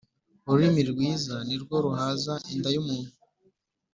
ururimi rwiza ni rwo ruhaza inda y’umuntu